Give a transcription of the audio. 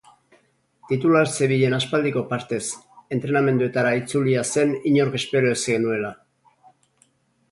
Titular zebilen aspaldiko partez, entrenamenduetara itzulia zen inork espero ez genuela.